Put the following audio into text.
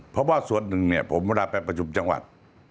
เพราะว่าส่วนหนึ่งเนี่ยผมเวลาไปประชุมจังหวัด